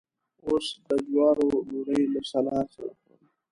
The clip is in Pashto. اوس د جوارو ډوډۍ له سلاد سره خورم.